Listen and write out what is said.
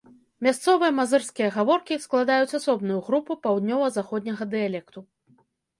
Мясцовыя мазырскія гаворкі складаюць асобную групу паўднёва-заходняга дыялекту.